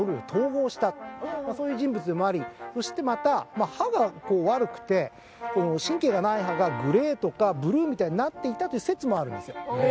そういう人物でもありそしてまた歯が悪くて神経がない歯がグレーとかブルーみたいになっていたという説もあるんですよ。